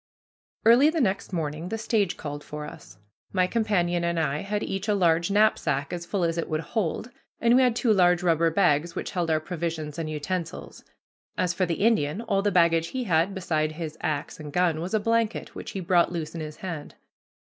Early the next morning the stage called for us. My companion and I had each a large knapsack as full as it would hold, and we had two large rubber bags which held our provisions and utensils. As for the Indian, all the baggage he had, beside his axe and gun, was a blanket, which he brought loose in his hand.